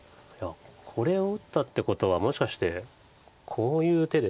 これを打ったってことはもしかしてこういう手ですか。